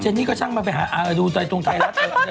เจนนี่ก็ช่างมาไปหาดูใต้ตรงไทยละเธอ